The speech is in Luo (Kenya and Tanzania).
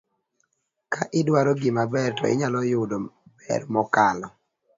ka idwaro gimaber to inyalo yudo ber mokalo.